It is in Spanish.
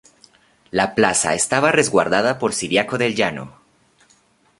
La plaza estaba resguardada por Ciriaco del Llano.